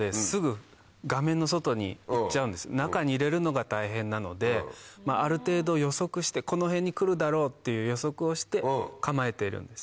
中に入れるのが大変なのである程度予測してこの辺に来るだろうって予測をして構えているんです。